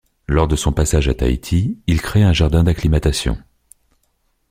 Lors de son passage à Tahiti, il crée un jardin d’acclimatation.